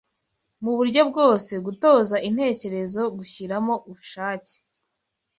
Mu buryo bwose, gutoza intekerezo, gushyiramo ubushake